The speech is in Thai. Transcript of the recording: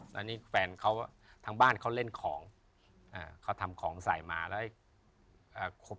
แล้วนี่แฟนเขาทางบ้านเขาเล่นของอ่าเขาทำของใส่มาแล้วอ่า